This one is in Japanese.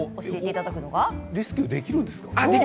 レスキューできるんですか。